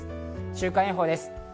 週間予報です。